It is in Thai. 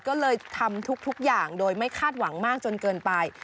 ก็เลยทำทุกอย่างโดยไม่คาดหวังมากจนเกินไป